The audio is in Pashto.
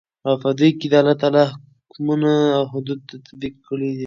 او په دوى كې دالله تعالى حكمونه او حدود تطبيق كړي .